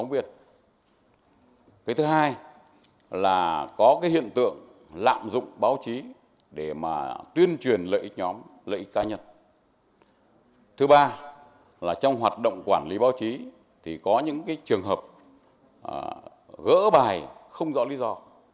và trong hoạt động quản lý báo chí thì có những trường hợp gỡ bài không rõ lý do